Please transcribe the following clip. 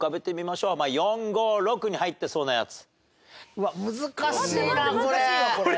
うわっ難しいなこれ。